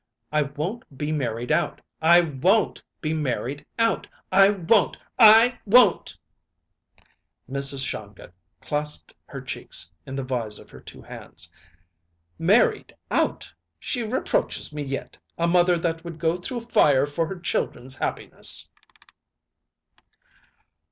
I won't be married out I won't be married out! I won't! I won't!" Mrs. Shongut clasped her cheeks in the vise of her two hands. "Married out! She reproaches me yet a mother that would go through fire for her children's happiness!"